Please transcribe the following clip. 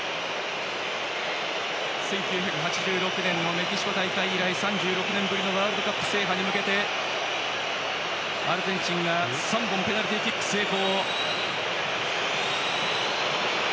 １９８６年メキシコ大会以来３６年ぶりのワールドカップ制覇に向けてアルゼンチンが３本ペナルティーキック成功。